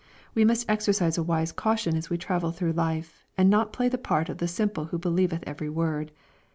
We must exercise a wise caution as we travel through life, and not play the part of the simple who believeth every word."